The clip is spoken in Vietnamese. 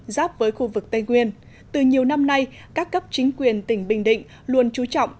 giáp với khu vực tây nguyên từ nhiều năm nay các cấp chính quyền tỉnh bình định luôn trú trọng